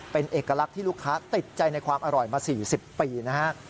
เป็นเอกลักษณ์ที่ลูกค้าติดใจในความอร่อยมา๔๐ปีนะฮะ